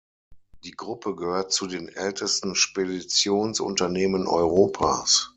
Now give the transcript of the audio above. Die Gruppe gehört zu den ältesten Speditionsunternehmen Europas.